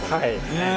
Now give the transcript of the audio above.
ねえ。